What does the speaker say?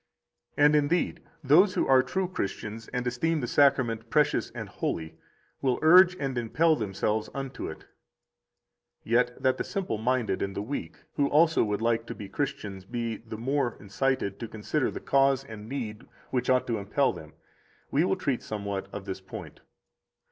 43 And, indeed, those who are true Christians and esteem the Sacrament precious and holy will urge and impel themselves unto it. Yet that the simple minded and the weak who also would like to be Christians be the more incited to consider the cause and need which ought to impel them, we will treat somewhat of this point.